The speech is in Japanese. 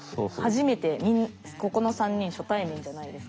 ここの３人初対面じゃないですか。